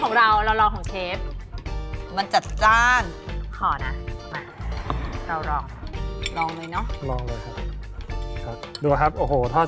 อ่ะมาเราลองลองเลยเนอะลองเลยครับครับดูนะครับโอ้โหทอด